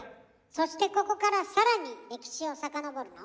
そしてここからさらに歴史を遡るの？